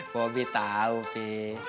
bobi tau pi